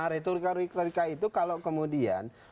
retorika retorika itu kalau kemudian